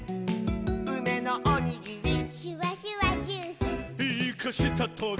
「うめのおにぎり」「シュワシュワジュース」「イカしたトゲ」